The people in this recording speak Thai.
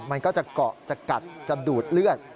มันก็จะเกาะจะกัดจะดูดเลือด